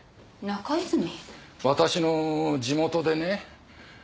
私の地元でね。